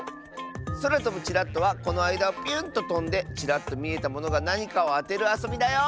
「そらとぶチラッと」はこのあいだをピュンととんでチラッとみえたものがなにかをあてるあそびだよ！